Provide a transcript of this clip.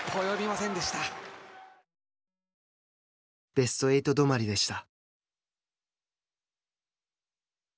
ベスト８どまりでした。